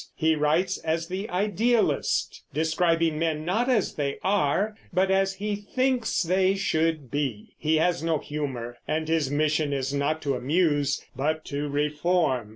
He writes as the idealist, describing men not as they are but as he thinks they should be; he has no humor, and his mission is not to amuse but to reform.